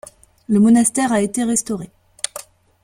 Le monastère a été restauré.